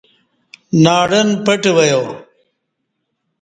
ناڈن پٹہ ویا